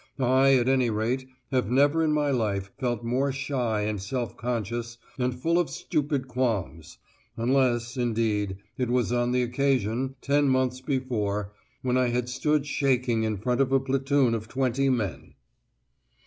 I, at any rate, have never in my life felt more shy and self conscious and full of stupid qualms: unless, indeed, it was on the occasion, ten months before, when I had stood shaking in front of a platoon of twenty men!